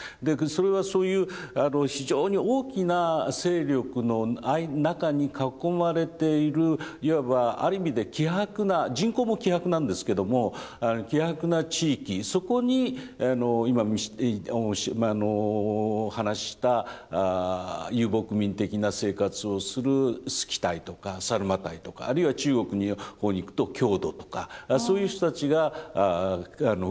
それはそういう非常に大きな勢力の中に囲まれているいわばある意味で希薄な人口も希薄なんですけども希薄な地域そこに今話した遊牧民的な生活をするスキタイとかサルマタイとかあるいは中国の方に行くと匈奴とかそういう人たちが動いていた。